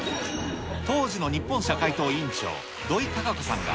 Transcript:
当時の日本社会党委員長、土井たか子さんが、